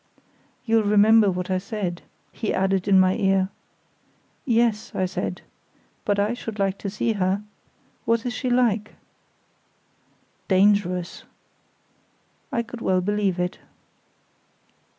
"You'll remember what I said," he added in my ear. "Yes," I said. "But I should like to see her. What is she like?" "Dangerous." I could well believe it.